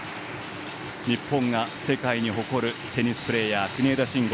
日本が世界に誇るテニスプレーヤー、国枝慎吾。